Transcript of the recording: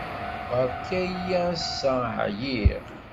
Beṛka-iyi ass-a. ɛyiɣ.